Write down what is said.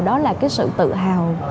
đó là cái sự tự hào